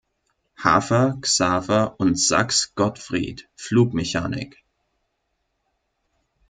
Hafer, Xaver und Sachs, Gottfried: Flugmechanik.